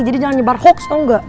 jadi jangan nyebar hoax tau gak